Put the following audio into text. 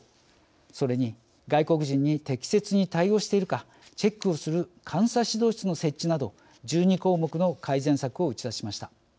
それに外国人に適切に対応しているかチェックをする監査指導室の設置など１２項目の改善策を打ち出しました。